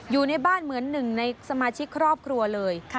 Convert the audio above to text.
อยู่ในบ้านเหมือนหนึ่งในสมาชิกครอบครัวเลย